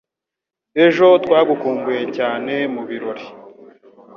Ejo twagukumbuye cyane mubirori.